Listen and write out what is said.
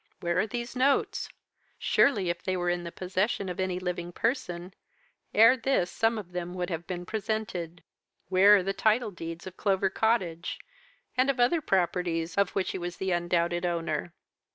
Where are those notes? Surely, if they were in the possession of any living person, ere this some of them would have been presented. Where are the title deeds of Clover Cottage and of other properties, of which he was the undoubted owner?